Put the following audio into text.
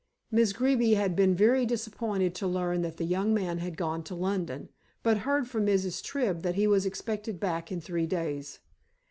Miss Greeby had been very disappointed to learn that the young man had gone to London, but heard from Mrs. Tribb that he was expected back in three days.